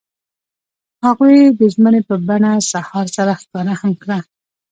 هغوی د ژمنې په بڼه سهار سره ښکاره هم کړه.